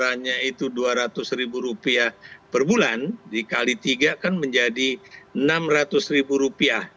besarannya itu rp dua ratus per bulan dikali tiga kan menjadi rp enam ratus